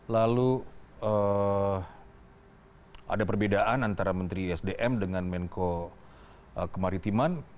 lalu ada perbedaan antara menteri sdm dengan menko kemaritiman